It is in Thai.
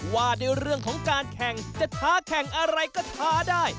ว่าในเรื่องของการแข่งจะท้าแข่งอะไรก็ท้าได้